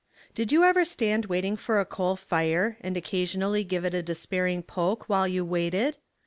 Did you ever stand waiting for a coal fire, and occa sionally give it a despairing poke while you waited?